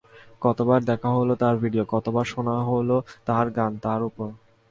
কতবার দেখা হলো তাঁর ভিডিও, কতবার শোনা হলো তাঁর গান—তার ওপর।